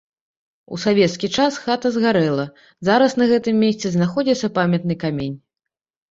У савецкі час хата згарэла, зараз на гэтым месцы знаходзіцца памятны камень.